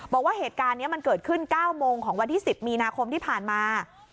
บอกว่าเหตุการณ์นี้มันเกิดขึ้น๙โมงของวันที่๑๐มีนาคมที่ผ่านมา